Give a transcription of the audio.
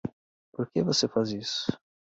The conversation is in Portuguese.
Por que você faz isso?